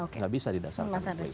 tidak bisa didasarkan